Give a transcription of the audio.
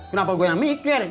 kenapa gue yang mikir